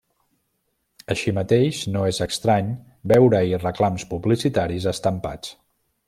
Així mateix, no és estrany veure-hi reclams publicitaris estampats.